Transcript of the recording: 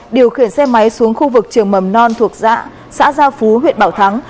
điều khiển xe máy xuống khu vực trường mầm non thuộc xã gia phú huyện bảo thắng